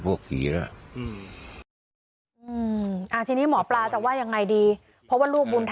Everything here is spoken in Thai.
ไม่อยากให้แม่เป็นอะไรไปแล้วนอนร้องไห้แท่ทุกคืน